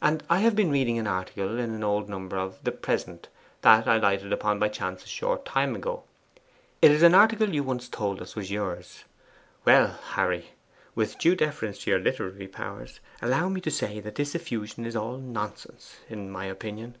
'And I have been reading an article in an old number of the PRESENT that I lighted on by chance a short time ago; it is an article you once told us was yours. Well, Harry, with due deference to your literary powers, allow me to say that this effusion is all nonsense, in my opinion.